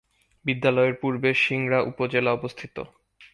বিদ্যালয়ের পূর্বে সিংড়া উপজেলা অবস্থিত।